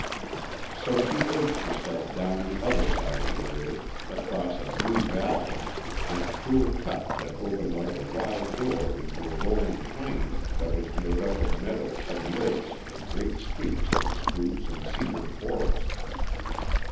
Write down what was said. So she urged herself down the other side of the ridge, across a new valley, and through a cut that opened like a wide door into a rolling plain that was made up of meadows and lakes and great sweeps of spruce and cedar forest.